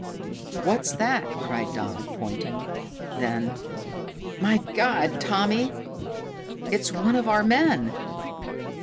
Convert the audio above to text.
"What's that?" cried Dodd, pointing. Then, "My God, Tommy, it's one of our men!"